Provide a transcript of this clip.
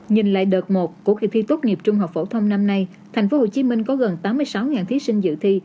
nhìn lại đợt một của kỳ thi tốt nghiệp trung học phổ thông năm nay tp hcm có gần tám mươi sáu thí sinh dự thi